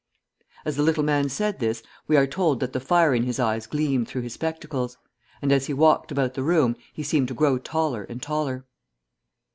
As the little man said this, we are told that the fire in his eyes gleamed through his spectacles; and as he walked about the room, he seemed to grow taller and taller.